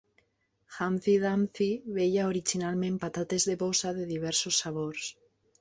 Humpty Dumpty venia originalment patates de bossa de diversos sabors.